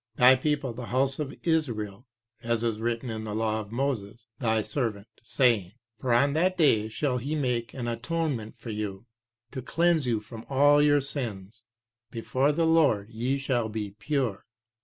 Thy people the house of Israel, as is written in the law of Moses Thy servant, saying, 'For on that day shall he make an atonement for you to cleanse you from all your sins; before the LORD ye shall be pure.'